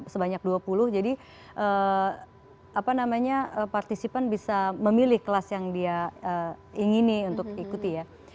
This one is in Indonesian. sebanyak dua puluh jadi partisipan bisa memilih kelas yang dia ingini untuk ikuti ya